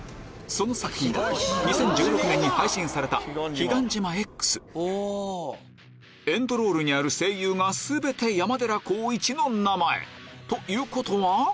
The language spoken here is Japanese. その作品は２０１６年に配信されたエンドロールにある声優が全て山寺宏一の名前ということは？